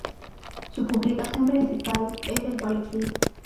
Su publicación principal es el "Boletín.